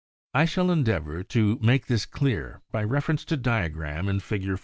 I shall endeavor to make this clear by reference to diagram in Fig.